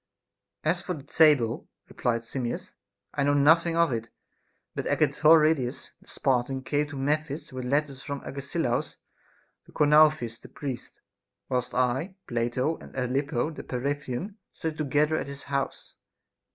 As for the table, replied Simmias, I know nothing of it ; but Agetoridas the Spartan came to Memphis with letters from Agesilaus to Chonouphis the priest, whilst I, Plato, and Ellopio the Peparethian, studied together at his house.